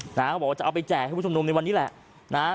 เขาบอกว่าจะเอาไปแจกให้ผู้ชมนุมในวันนี้แหละนะฮะ